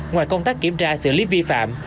ngoài công tác kiểm tra xử lý vi phạm